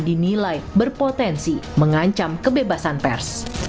dinilai berpotensi mengancam kebebasan pers